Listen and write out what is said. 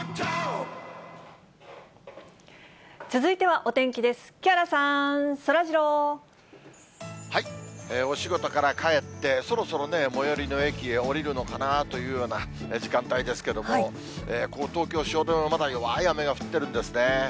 お仕事から帰って、そろそろね、最寄りの駅へ降りるのかなというような時間帯ですけども、ここ、東京・汐留、まだ弱い雨が降ってるんですね。